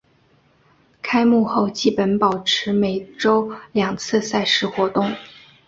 开幕后基本保持每周两次赛事活动。